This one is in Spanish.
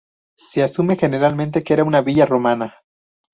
Se asume generalmente que era una villa romana.